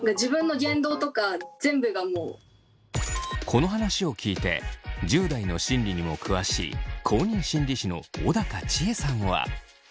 この話を聞いて１０代の心理にも詳しい公認心理師の小高千枝さんは。